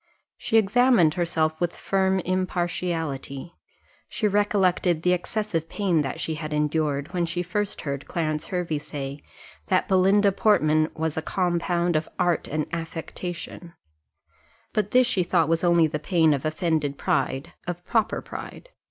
She examined herself with firm impartiality; she recollected the excessive pain that she had endured, when she first heard Clarence Hervey say, that Belinda Portman was a compound of art and affectation; but this she thought was only the pain of offended pride of proper pride.